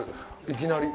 いきなり。